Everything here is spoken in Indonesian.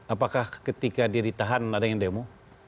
apakah ketika dia ditahan ada yang demo